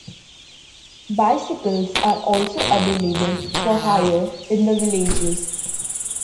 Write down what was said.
Bicycles are also available for hire in the villages.